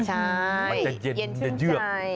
ใช่เย็นชั่วใจ